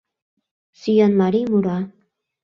Сӱанмарий мура: